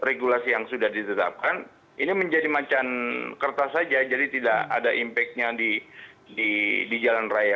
ini regulasi yang sudah ditetapkan ini menjadi macam kertas saja jadi tidak ada impact nya di jalan raya